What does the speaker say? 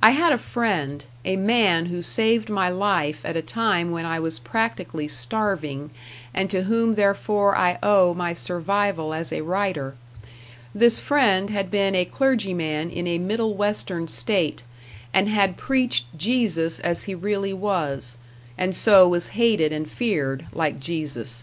I had a friend, a man who saved my life at a time when I was practically starving, and to whom therefore I owe my survival as a writer; this friend had been a clergyman in a Middle Western state, and had preached Jesus as he really was, and so was hated and feared like Jesus.